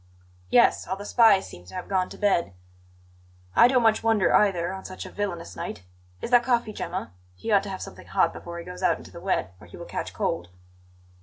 "Yes; all the spies seem to have gone to bed. I don't much wonder either, on such a villainous night. Is that coffee, Gemma? He ought to have something hot before he goes out into the wet, or he will catch cold."